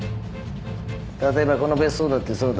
例えばこの別荘だってそうだ。